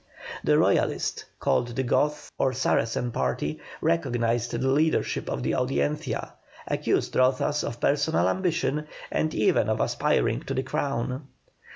The Royalist, called the Goth or Saracen party, recognized the leadership of the Audiencia, accused Rozas of personal ambition and even of aspiring to the crown.